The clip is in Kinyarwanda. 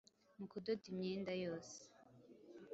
mu kudoda imyenda yose